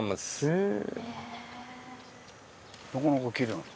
へえ。